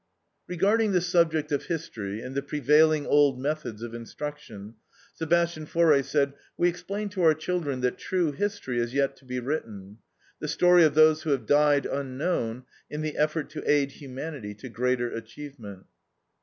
" Regarding the subject of history and the prevailing old methods of instruction, Sebastian Faure said: "We explain to our children that true history is yet to be written, the story of those who have died, unknown, in the effort to aid humanity to greater achievement."